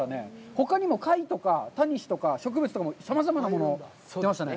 ほかにも貝とか、タニシとか、植物とか、さまざまなもの出ましたね。